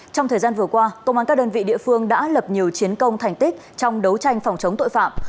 trong thời gian vừa qua công an các đơn vị địa phương đã lập nhiều chiến công thành tích trong đấu tranh phòng chống tội phạm